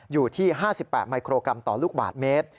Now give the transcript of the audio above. อยู่ที่๕๘มิโครกรัมต่อลูกบาทเมตร